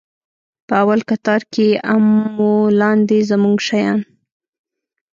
په اول کتار کښې يې ام و لاندې زموږ شيان.